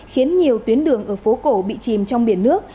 khiến nhiều tuyến đường ở phố cổ bị chìm trong biển nước